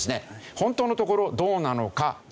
本当のところどうなのか？という事。